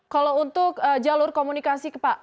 kalau untuk jalur komunikasi pak